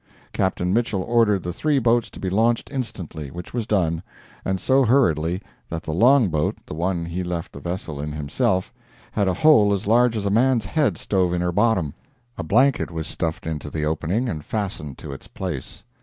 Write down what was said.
Captain Mitchell ordered the three boats to be launched instantly, which was done—and so hurriedly that the longboat (the one he left the vessel in himself) had a hole as large as a man's head stove in her bottom. A blanket was stuffed into the opening and fastened to its place.